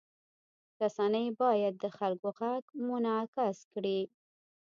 رسنۍ باید د خلکو غږ منعکس کړي.